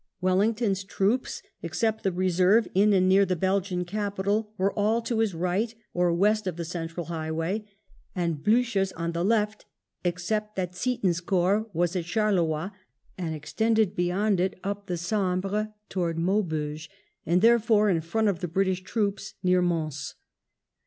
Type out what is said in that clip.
Wellington's troops, except the reserve in and near the Belgian capital, were all to his right, or west of the central highway, and Blucher's on the left, except that Ziethen's corps was in Charleroi and extended beyond it up the Sambre towards Maubeuge, and therefore in front of the British troops near Mons.